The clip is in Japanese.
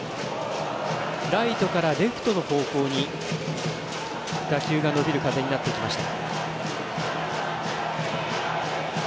ライトからレフトの方向に打球が伸びる打球になってきました。